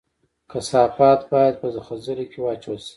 کثافات باید په خځلۍ کې واچول شي